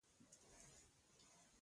کنځاوې کوي.